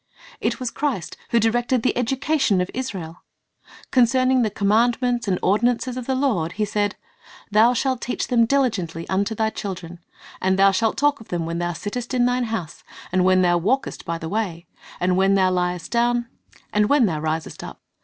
It was Christ who directed the education of Israel. Concerning the commandments and ordinances of the Lord He said, "Thou shalt teach them diligently unto thy children, and shalt talk of them when thou sittest in thine house, and when thou walkest by the way, and when thou liest 24 Christ's Object Lessons ^ down, and when thou risest up.